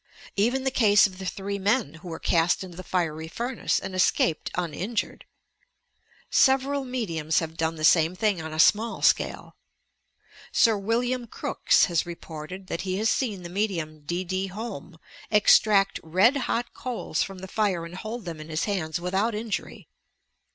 Even the case of the three men who were cast into the fiery furnace and escaped uninjured ! Several mediums have done the same thing on a small scale. Sir William Crookes has reported that he has seen the medium D. D. Home extract red hot coals from the fire and hold them in hif hands without injury.